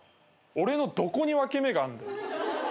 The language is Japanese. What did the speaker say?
俺のどこに分け目があんだよ。